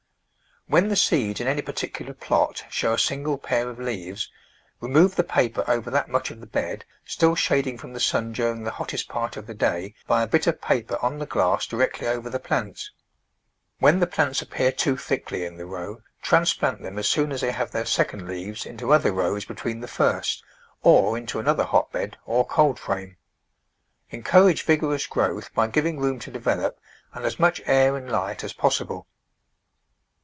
When the seeds in any particular plot show a single pair of leaves, remove the paper over that much of the bed, still shading from the sun during the hottest part of the day by a bit of paper on the glass directly over the plants. When the plants appear too thickly in the row, transplant them as soon as they have their second leaves into other rows between the first, or into another hotbed or cold frame. Encourage vig orous growth by giving room to develop and as much air and light as possible.